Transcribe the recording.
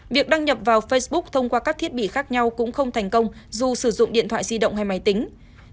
việc đăng nhập vào facebook thông qua các thiết bị khác nhau cũng không thành công dù sử dụng điện thoại di động hay máy tính